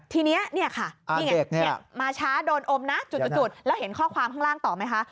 ทีนี้ค่ะมาช้าโดนอมนะแล้วเห็นข้อความข้างล่างต่อไหมคะ